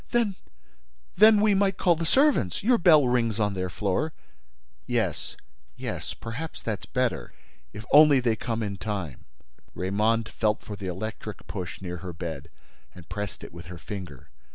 "Then—then—we might call the servants—Your bell rings on their floor." "Yes—yes—perhaps, that's better. If only they come in time!" Raymonde felt for the electric push near her bed and pressed it with her finger.